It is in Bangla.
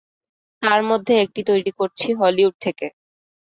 তার মধ্যে একটি তৈরি করছি হলিউড থেকে।